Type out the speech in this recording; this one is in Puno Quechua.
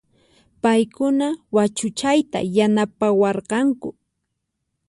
Payquna wachuchayta yanapawarqanku